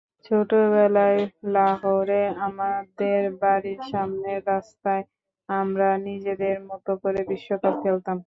ছোটবেলায় লাহোরে আমাদের বাড়ির সামনের রাস্তায় আমরা নিজেদের মতো করে বিশ্বকাপ খেলতাম।